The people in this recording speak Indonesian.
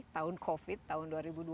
tahun covid tahun dua ribu dua puluh